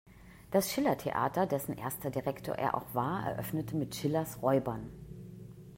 Das Schiller-Theater, dessen erster Direktor er auch war, eröffnete mit Schillers Räubern.